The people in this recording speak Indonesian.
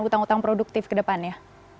utang utang produktif ke depannya